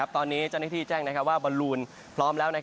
ตอนนี้เจ้าหน้าที่แจ้งว่าบอลลูนพร้อมแล้ว